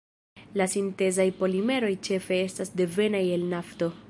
La sintezaj polimeroj ĉefe estas devenaj el nafto.